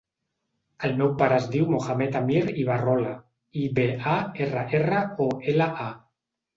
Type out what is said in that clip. El meu pare es diu Mohamed amir Ibarrola: i, be, a, erra, erra, o, ela, a.